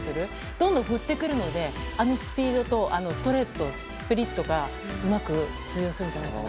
どんどん振ってくるのであのストレートとスプリットがうまく通用するんじゃないかと。